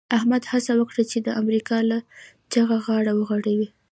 احمد هڅه وکړه چې د امریکا له جغه غاړه وغړوي.